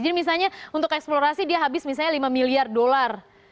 jadi misalnya untuk eksplorasi dia habis misalnya lima miliar dolar